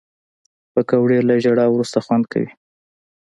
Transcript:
پکورې له ژړا وروسته خوند کوي